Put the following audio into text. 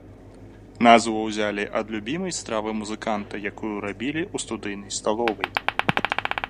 Назву ўзялі ад любімай стравы музыканта, якую рабілі ў студыйнай сталовай.